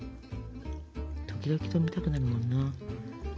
時々食べたくなるもんな。